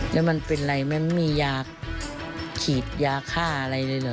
แล้วมันเป็นอะไรมันมียาฉีดยาฆ่าอะไรเลยเหรอ